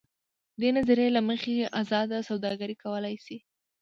دې نظریې له مخې ازاده سوداګري کولای شي.